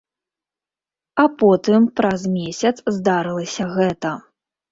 А потым праз месяц здарылася гэта.